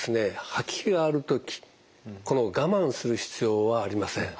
吐き気がある時我慢する必要はありません。